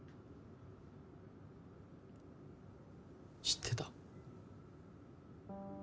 知ってた。